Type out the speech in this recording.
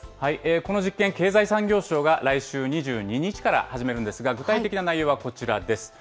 この実験、経済産業省が来週２２日から始めるんですが、具体的な内容はこちらです。